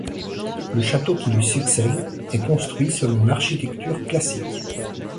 Le château qui lui succède est construit selon l'architecture classique.